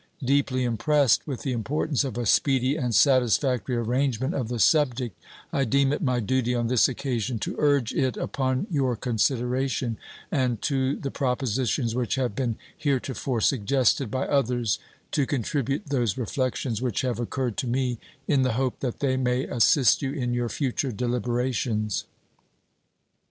Deeply impressed with the importance of a speedy and satisfactory arrangement of the subject, I deem it my duty on this occasion to urge it upon your consideration, and to the propositions which have been heretofore suggested by others to contribute those reflections which have occurred to me, in the hope that they may assist you in your future deliberations.